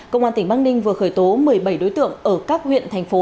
công an tỉnh bắc ninh vừa khởi tố một mươi bảy đối tượng ở các huyện thành phố